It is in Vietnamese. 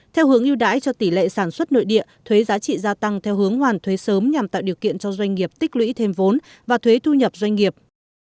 theo hướng ưu đãi cho tỷ lệ sản xuất nội địa thuế giá trị gia tăng theo hướng hoàn thuế sớm nhằm tạo điều kiện cho doanh nghiệp tích lũy thêm vốn và thuế thu nhập doanh nghiệp